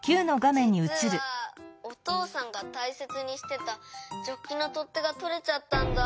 じつはおとうさんがたいせつにしてたジョッキのとってがとれちゃったんだ。